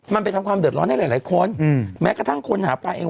มันเป็นทำความเดิดร้อนให้หลายหลายคนอืมแม้กระทั่งคนหาปลายเอง